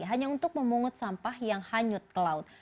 hanya untuk memungut sampah yang hanyut ke laut